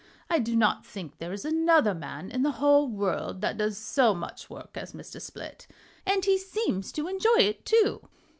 I do not think there is another man in the whole world that does so much work as Mr. Split, and he seems to enjoy it, too."